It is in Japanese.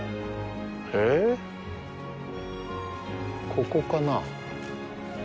ここかな？